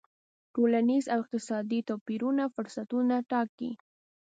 ټولنیز او اقتصادي توپیرونه فرصتونه ټاکي.